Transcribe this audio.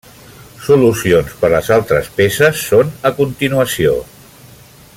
Solucions per les altres peces són a continuació.